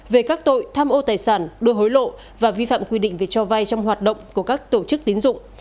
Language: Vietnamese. về các tội tham ô tài sản đưa hối lộ và vi phạm quy định về cho vay trong hoạt động của các tổ chức tín dụng